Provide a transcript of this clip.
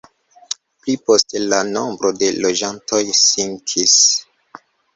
Pli poste la nombro de loĝantoj sinkis.